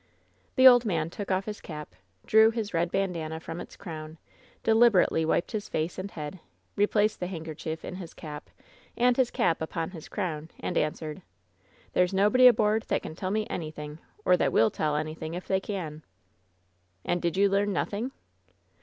The old man took off his cap, drew his red bandanna from its crown, deliberately wiped his face and head, replaced the handkerchief in his cap and his cap upon his crown and answered: "There's nobody aboard that can tell me anything, or that will tell anything if they can." "And did you learn nothing?"